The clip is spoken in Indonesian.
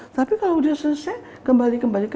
tapi kalau sudah selesai kembali kembali ke